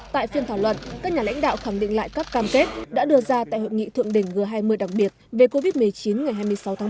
tại phiên thảo luận các nhà lãnh đạo khẳng định lại các cam kết đã đưa ra tại hội nghị thượng đỉnh g hai mươi đặc biệt về covid một mươi chín ngày hai mươi sáu tháng bốn